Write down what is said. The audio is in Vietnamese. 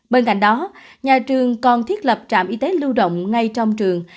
bên cạnh đó nhà trường còn thiết lập trạm y tế lưu động ngay trong trường